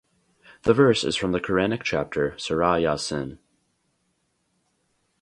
The verse is from the Quranic Chapter, Surah Ya-Sin.